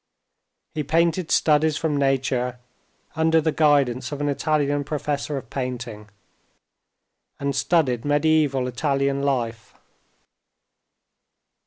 He painted studies from nature under the guidance of an Italian professor of painting, and studied mediæval Italian life.